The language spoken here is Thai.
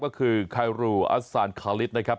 ก็คือคารูอัสซานคาลิสนะครับ